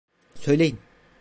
Söyleyin.